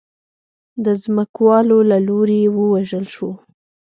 د ځمکوالو له لوري ووژل شو.